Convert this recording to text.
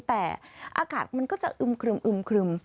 แต่อากาศมันก็จะอึมคลึม